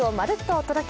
お届け